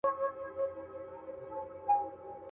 هوښيارانو دي راوړي دا نكلونه.